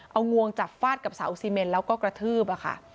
เอางวงจับฟาดกับเสาซีเมนแล้วก็กระทืบ